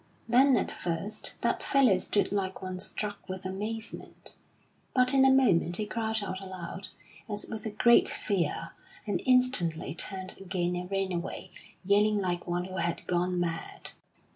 Then at first that fellow stood like one struck with amazement; but in a moment he cried out aloud as with a great fear, and instantly turned again and ran away, yelling like one who had gone mad.